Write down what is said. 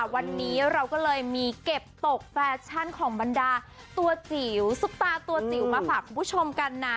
วันนี้เราก็เลยมีเก็บตกแฟชั่นของบรรดาตัวจิ๋วซุปตาตัวจิ๋วมาฝากคุณผู้ชมกันนะ